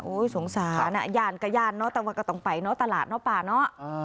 สงสารอ่ะย่านก็ย่านเนอะแต่ว่าก็ต้องไปเนาะตลาดเนาะป่าเนาะ